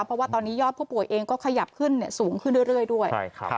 เพราะว่าตอนนี้ยอดผู้ป่วยเองก็ขยับขึ้นสูงขึ้นเรื่อยด้วย